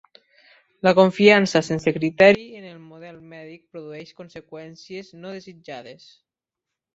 La confiança sense criteri en el model mèdic produeix conseqüències no desitjades.